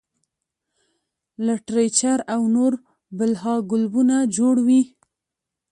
لټرېچر او نور بلها کلبونه جوړ وي -